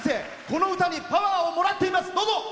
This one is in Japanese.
この歌にパワーをもらっています。